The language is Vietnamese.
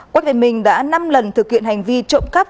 quách văn minh đã năm lần thực hiện hành vi trộm cắp